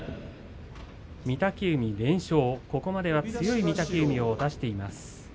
御嶽海連勝、ここまでは強い御嶽海は出しています。